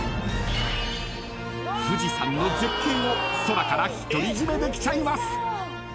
［富士山の絶景を空から独り占めできちゃいます］